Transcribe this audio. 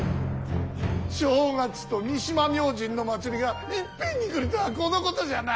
正月と三島明神の祭りがいっぺんに来るとはこのことじゃな。